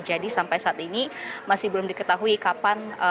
jadi sampai saat ini masih belum diketahui kapan